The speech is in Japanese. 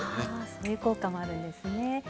そういう効果もあるんですね。